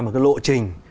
một cái lộ trình